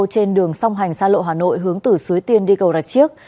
trên đường song hành xa lộ hà nội hướng từ suối tiên đi cầu rạch chiếc